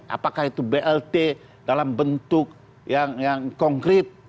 apakah itu blt dalam bentuk yang konkret